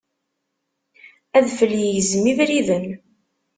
Adfel yegzem ibriden.